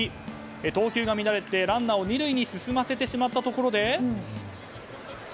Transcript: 投球が乱れてランナーを２塁に進ませてしまったところで。